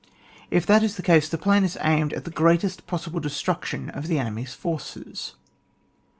If that is the case the plan is aimed at the greatest possible destruc tion of the enemy's forces.